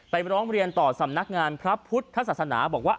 ร้องเรียนต่อสำนักงานพระพุทธศาสนาบอกว่า